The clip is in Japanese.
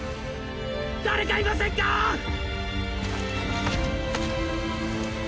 誰か居ませんかッ！